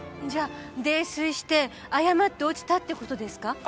じゃあ泥酔して誤って落ちたって事ですか？